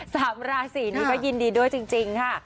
สามราศีนี้ก็ยินดีด้วยจริงค่ะ